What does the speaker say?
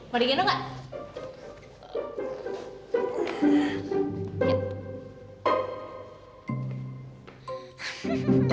mau digenok gak